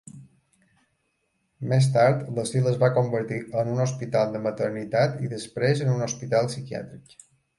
Més tard, l'asil es va convertir en un hospital de maternitat i després en un hospital psiquiàtric.